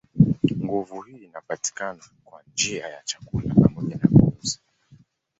Nguvu hii inapatikana kwa njia ya chakula pamoja na pumzi.